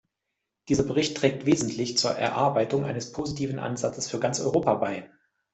Dieser Bericht trägt wesentlich zur Erarbeitung eines positiven Ansatzes für ganz Europa bei.